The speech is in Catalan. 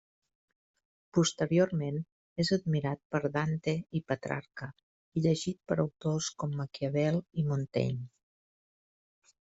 Posteriorment és admirat per Dante i Petrarca i llegit per autors com Maquiavel i Montaigne.